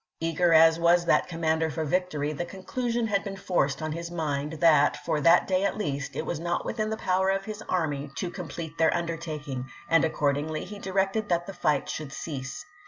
Eager as was that commander for victory, the conclusion had been forced on his mind, that, for that day at least, it was not within the power of his army to complete their undertaking ; and accordingly he directed that the fight should cease.